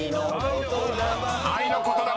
「愛の言霊」